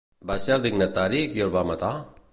Va ser el dignatari qui el va matar?